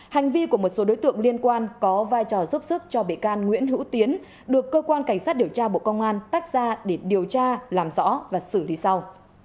hành vi của một số đối tượng liên quan có vai trò giúp sức cho bị can nguyễn hữu tiến được cơ quan cảnh sát điều tra bộ công an tách ra để điều tra làm rõ và xử lý sau